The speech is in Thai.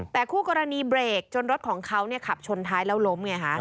แต่คู่กรณีเบรกจนรถของเขาขับชนท้ายแล้วล้มไงฮะ